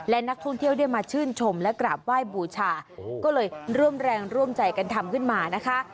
และนักท่องเที่ยวได้มาชื่นชมและกราบไหว้บูชาก็เลยร่วมแรงร่วมใจกันทำขึ้นมานะคะ